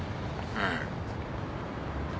うん。